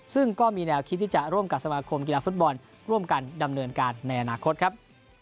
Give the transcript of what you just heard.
ซึ่งก็มีแนวคิดที่จะร่วมกับสมาคมกีฬาฟุตบอลร่วมกันดำเนินการในอนาคตครับ